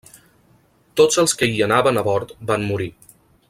Tots els que hi anaven a bord van morir.